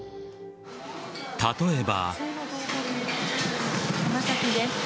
例えば。